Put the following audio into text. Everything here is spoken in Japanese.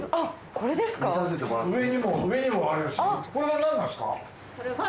これは何なんすか？